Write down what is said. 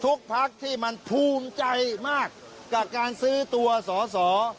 ทุกภักรมที่มันโภมใจมากกับการซื้อตัวสอสอ